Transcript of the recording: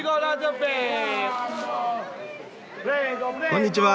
こんにちは。